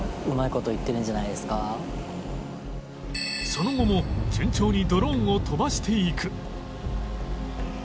その後も順調にドローンを飛ばしていく